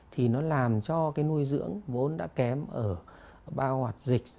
thì nó làm cho cái nuôi dưỡng vốn đã kém ở ba hoạt dịch